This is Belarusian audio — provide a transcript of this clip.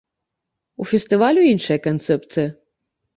У фестывалю іншая канцэпцыя.